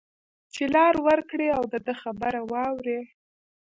چې لار ورکړی او د ده خبره واوري